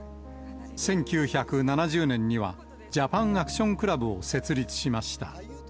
１９７０年には、ジャパンアクションクラブを設立しました。